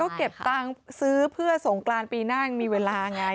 ก็เก็บตังค์ซื้อเพื่อสงกรานปีหน้ายังมีเวลาไง